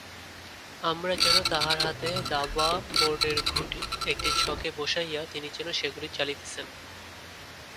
আমরা যেন তাঁহার হাতে দাবাবোড়ের ঘুঁটি, একটি ছকে বসাইয়া তিনি যেন সেগুলি চালিতেছেন।